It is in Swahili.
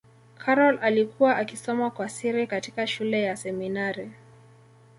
karol alikuwa akisoma kwa siri katika shule ya seminari